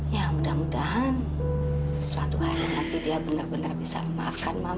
ya mudah mudahan suatu hari nanti dia benar benar bisa memaafkan mama